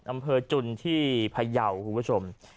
อำเภอจุนที่พยาวคุณผู้ชม